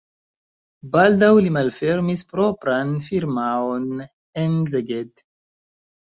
Baldaŭ li malfermis propran firmaon en Szeged.